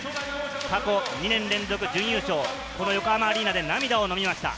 過去２年連続準優勝、この横浜アリーナで涙をのみました。